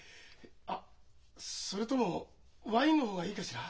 あっそれともワインの方がいいかしら？